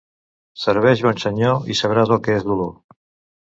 Serveix bon senyor i sabràs el que és dolor.